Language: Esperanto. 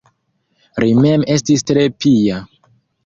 Li mem estis tre pia.